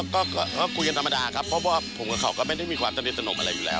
ก็คุยกันธรรมดาครับเพราะว่าผมกับเขาก็ไม่ได้มีความจำเป็นสนุกอะไรอยู่แล้ว